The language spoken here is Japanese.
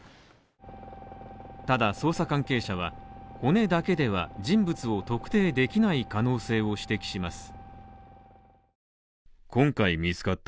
ただ、捜査関係者は骨だけでは人物を特定できない可能性を指摘します。